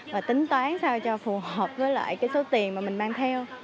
và tính toán sao cho phù hợp với lại cái số tiền mà mình mang theo